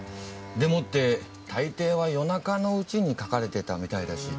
でもって大抵は夜中のうちに描かれてたみたいだし。